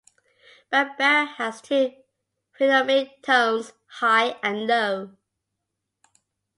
Bambara has two phonemic tones, "high" and "low.